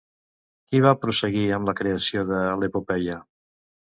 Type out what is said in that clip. Qui va prosseguir amb la creació de l'epopeia?